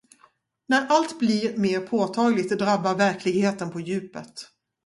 När allt blir mer påtagligt drabbar verkligheten på djupet.